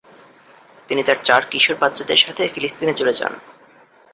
তিনি তার চার কিশোর বাচ্চাদের সাথে ফিলিস্তিনে চলে যান।